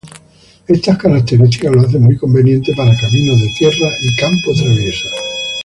Estas características lo hacen muy conveniente para caminos de tierra y campo traviesa.